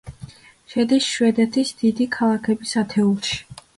შედის შვედეთის დიდი ქალაქების ათეულში.